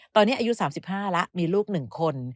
ตอนนี้อายุ๓๕แล้วมีลูก๑คน